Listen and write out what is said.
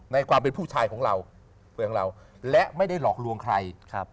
ความเป็นผู้ชายของเราเฟืองเราและไม่ได้หลอกลวงใคร